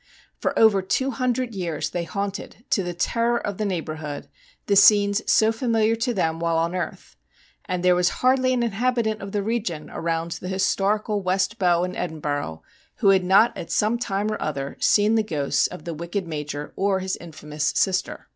For over two hun dred years they haunted, to the terror of the neighbourhood, the scenes so familiar to them while on earth, and there was hardly an inhabitant of the region around the historical West Bow in Edinburgh who had not at some time or other seen the ghosts of the wicked Major or his infamous sister.